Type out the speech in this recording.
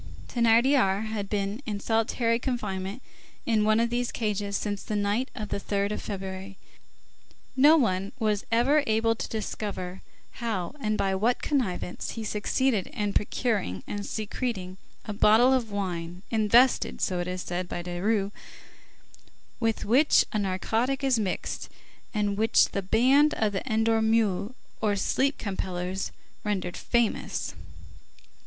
Thénardier had been in solitary confinement in one of these cages since the night of the 3d of February. No one was ever able to discover how, and by what connivance, he succeeded in procuring, and secreting a bottle of wine, invented, so it is said, by Desrues, with which a narcotic is mixed, and which the band of the Endormeurs, or Sleep compellers, rendered famous.